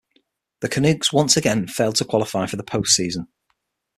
The Canucks once again failed to qualify for the post-season.